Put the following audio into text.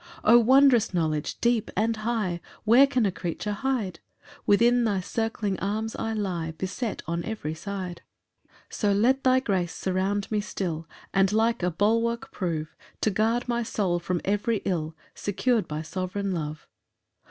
4 O wondrous knowledge, deep and high! Where can a creature hide? Within thy circling arms I lie, Beset on every side. 5 So let thy grace surround me still, And like a bulwark prove, To guard my soul from every ill, Secur'd by sovereign love. PAUSE.